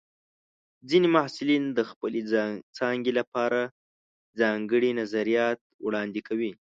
ځینې محصلین د خپلې څانګې لپاره ځانګړي نظریات وړاندې کوي.